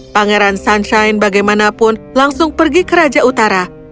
pangeran sunshine bagaimanapun langsung pergi ke raja utara